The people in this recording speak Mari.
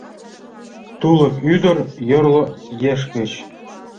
Тулык ӱдыр, йорло еш гыч.